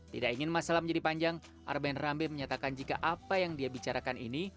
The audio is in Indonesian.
tidak ingin masalah menjadi panjang arben rambe menyatakan jika apa yang dia bicarakan ini